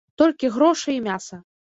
Толькі грошы і мяса.